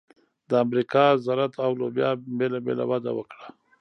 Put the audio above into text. د امریکا ذرت او لوبیا بېله بېله وده وکړه.